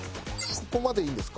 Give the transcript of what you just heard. ここまでいいんですか？